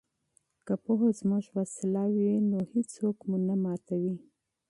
که پوهه زموږ وسله وي نو هیڅوک مو نه ماتوي.